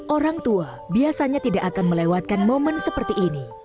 orang tua biasanya tidak akan melewatkan momen seperti ini